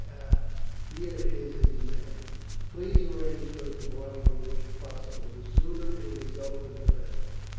Ah, here is his man! Please arrange it for to morrow morning, if possible. The sooner it is over the better."